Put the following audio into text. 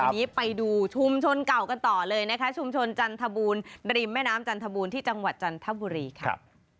ทีนี้ไปดูชุมชนเก่ากันต่อเลยนะคะชุมชนจันทบูรณ์ริมแม่น้ำจันทบูรณ์ที่จังหวัดจันทบุรีค่ะ